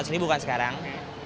sembilan ratus ribu kan sekarang